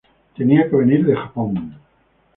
Tenía que venir de Japón.